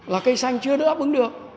là cây xanh chưa được áp ứng được